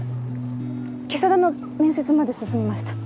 ケサダの面接まで進みました。